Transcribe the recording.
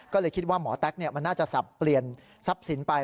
ก็เลยคิดว่าหมอแต๊กมันน่าจะสับเปลี่ยนทรัพย์สินไป